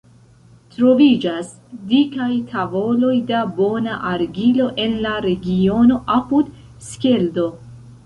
Troviĝas dikaj tavoloj da bona argilo en la regiono apud Skeldo.